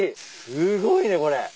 すごいねこれ。